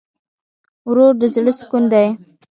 ورور د زړه سکون دی.